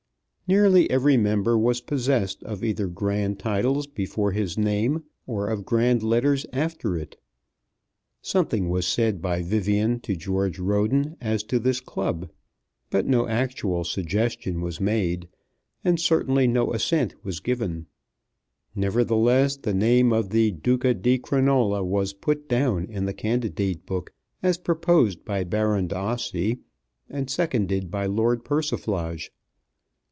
Nearly every member was possessed of either grand titles before his name, or of grand letters after it. Something was said by Vivian to George Roden as to this club. But no actual suggestion was made, and certainly no assent was given. Nevertheless the name of the Duca di Crinola was put down in the Candidate Book, as proposed by Baron d'Ossi and seconded by Lord Persiflage.